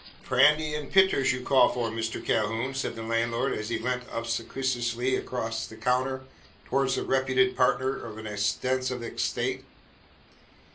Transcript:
"Prandy und pitters, you calls for, Mishter Calhoun?" said the landlord, as he leant obsequiously across the counter towards the reputed partner of an extensive estate.